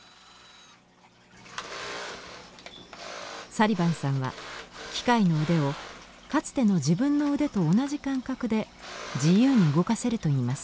サリバンさんは機械の腕をかつての自分の腕と同じ感覚で自由に動かせるといいます。